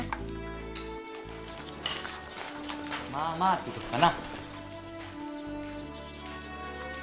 まあまあってとこかな。